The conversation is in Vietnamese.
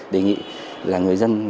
đề nghị là người dân